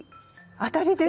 当たりです。